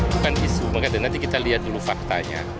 bukan isu nanti kita lihat dulu faktanya